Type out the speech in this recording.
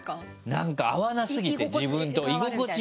なんか合わなすぎて自分と居心地が悪い。